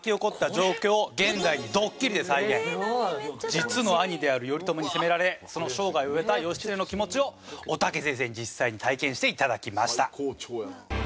実の兄である頼朝に攻められその生涯を終えた義経の気持ちをおたけ先生に実際に体験していただきました。